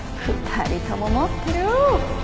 ２人とも持ってる！